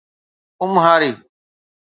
امهاري